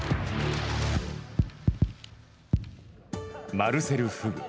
マルセル・フグ